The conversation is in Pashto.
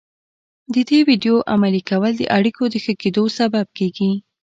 د دې ويډيو عملي کول د اړيکو د ښه کېدو سبب کېږي.